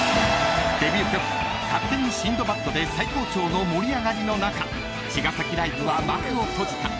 ［デビュー曲『勝手にシンドバッド』で最高潮の盛り上がりの中茅ヶ崎ライブは幕を閉じた］